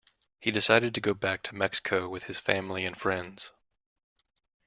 He decided to go back to Mexico with his family and friends.